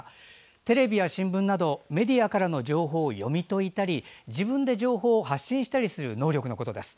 テレビや新聞などメディアからの情報を読み解いたり自分で情報を発信したりする能力のことです。